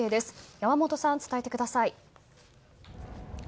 山本さん、伝えてください。